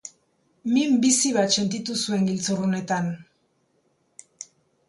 Min bizi bat sentitu zuen giltzurrunetan.